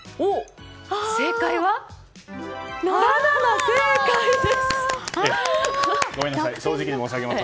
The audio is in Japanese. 正解は、「バナナ」正解です！